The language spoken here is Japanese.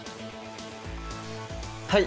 はい。